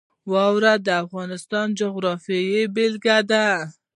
واوره د افغانستان د جغرافیې بېلګه ده.